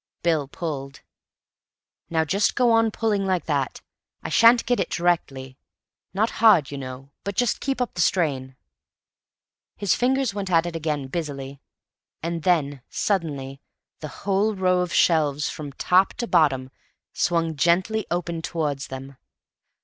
Bill pulled. "Now just go on pulling like that. I shall get it directly. Not hard, you know, but just keeping up the strain." His fingers went at it again busily. And then suddenly the whole row of shelves, from top to bottom, swung gently open towards them.